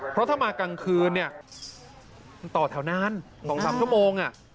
เพราะถ้ามากลางคืนเนี่ยมันต่อแถวนาน๒๓ชั่วโมง